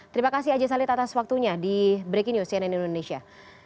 terima kasih aja salid atas waktunya di breaking news cnn indonesia